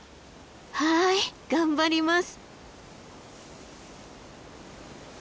はい頑張ります。